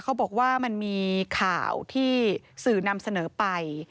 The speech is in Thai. เขาบอกว่ามันมีข่าวที่สื่อนำเสนอไป